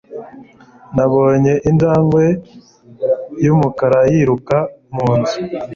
Nabonye injangwe yumukara yiruka munzu